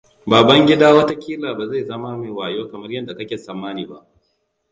Babangida wataƙila ba zai zama mai wayo kamar yadda kake tsammani ba.